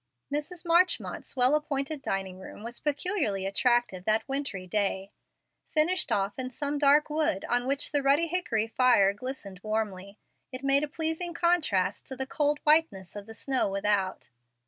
Mrs. Marchmont's well appointed dining room was peculiarly attractive that wintry day. Finished off in some dark wood on which the ruddy hickory fire glistened warmly, it made a pleasing contrast to the cold whiteness of the snow without.